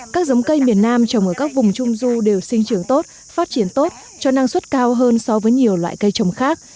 các giống cây miền nam trồng ở các vùng trung du đều sinh trưởng tốt phát triển tốt cho năng suất cao hơn so với nhiều loại cây trồng khác